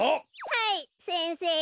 はい先生。